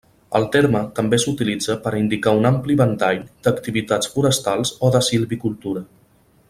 El terme també s'utilitza per a indicar un ampli ventall d'activitats forestals o de silvicultura.